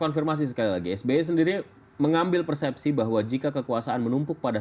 konfirmasi sekali lagi sby sendiri mengambil persepsi bahwa jika kekuasaan menumpuk pada